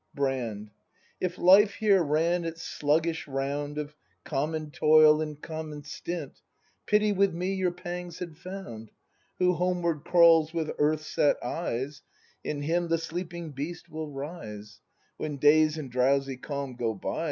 Brand. If life here ran its sluggish round Of common toil and common stint, Pity with me your pangs had found. Who homeward crawls with earth set eyes. In him the sleeping beast will rise. When days in drowsy calm go by.